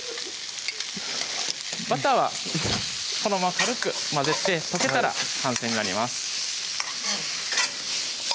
バターはこのまま軽く混ぜて溶けたら完成になります